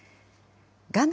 画面